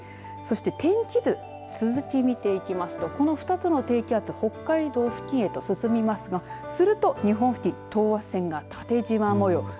そして天気図続き見ていきますとこの２つの低気圧北海道付近へと進みますがすると日本付近等圧線が縦じま模様